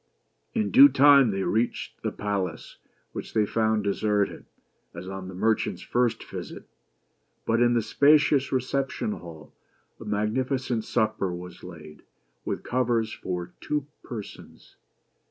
In due time they reached the palace, which they found deserted, as on the merchant's first visit. But in the spacious reception hall a magnificent supper was laid, with covers for two persons.